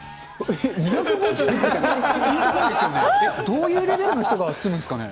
どういうレベルの人が住むんですかね。